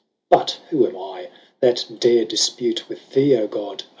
But who am I, that dare difpute with thee 0 God?